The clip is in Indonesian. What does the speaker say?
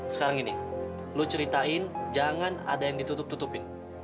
sekarang ini lo ceritain jangan ada yang ditutup tutupin